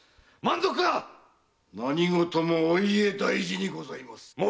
満足か⁉何事もお家大事にございます。